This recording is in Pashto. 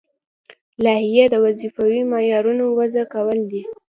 لایحه د وظیفوي معیارونو وضع کول دي.